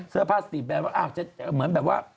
เสื้อผ้าสตรีแบบว่าจะเหมือนแบบว่า